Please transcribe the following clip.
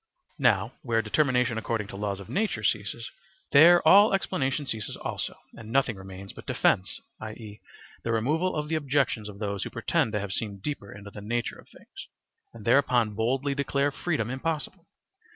Now where determination according to laws of nature ceases, there all explanation ceases also, and nothing remains but defence, i.e., the removal of the objections of those who pretend to have seen deeper into the nature of things, and thereupon boldly declare freedom impossible.